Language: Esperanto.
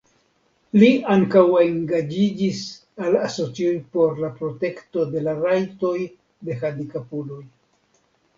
Li ankaŭ engaĝiĝis al asocioj por la protekto de la rajtoj de handikapuloj.